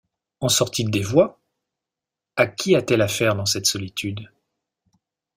En sort-il des voix? à qui a-t-elle affaire dans cette solitude ?